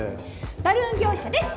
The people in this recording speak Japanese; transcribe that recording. バルーン業者です